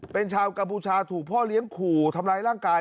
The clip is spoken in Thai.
เป็นชาวกัมพูชาถูกพ่อเลี้ยงขู่ทำร้ายร่างกาย